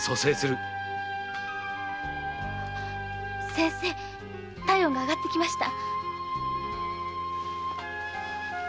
先生体温が上がってきました。